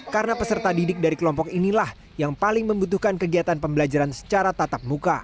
karena peserta didik dari kelompok inilah yang paling membutuhkan kegiatan pembelajaran secara tatap muka